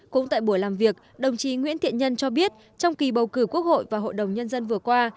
cũng tại buổi làm việc đồng chí nguyễn thiện nhân cho biết trong kỳ bầu cử quốc hội và hội đồng nhân dân vừa qua